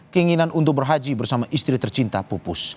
keinginan untuk berhaji bersama istri tercinta pupus